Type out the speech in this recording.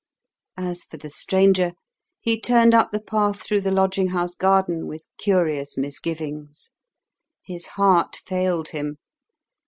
As for the stranger, he turned up the path through the lodging house garden with curious misgivings. His heart failed him.